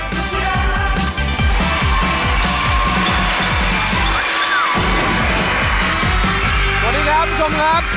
สวัสดีครับคุณผู้ชมครับ